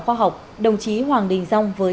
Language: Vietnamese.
khoa học đồng chí hoàng đình dông với